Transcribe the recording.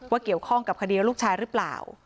เกี่ยวข้องกับคดีลูกชายหรือเปล่า